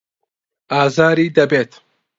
ئازاری دەبێت.